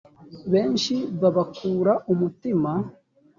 benshi babakura umutima